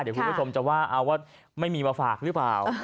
เดี๋ยวคุณผู้ชมจะว่าเอาว่าไม่มีมาฝากหรือเปล่า